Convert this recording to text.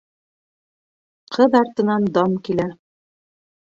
Ҡыҙ артынан дан килә.